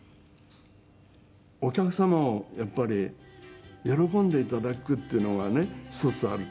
お客様をやっぱり喜んで頂くっていうのがね一つあると。